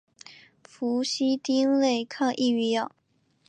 氟西汀类抗抑郁药。